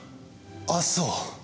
ああそう。